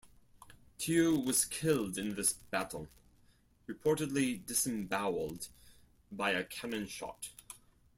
Tew was killed in this battle, reportedly disemboweled by a cannon shot.